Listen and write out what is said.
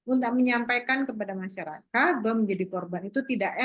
untuk menyampaikan kepada masyarakat bahwa menjadi korban itu tidak enak